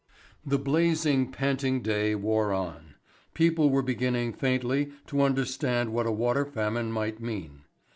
The blazing, panting day wore on. People were beginning faintly to understand what a water famine might mean.